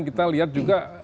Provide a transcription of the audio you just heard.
kita lihat juga